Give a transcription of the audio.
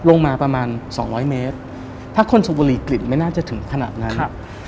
ลงมาประมาณสองร้อยเมตรถ้าคนสูบบุรีกลิ่นไม่น่าจะถึงขนาดนั้นครับ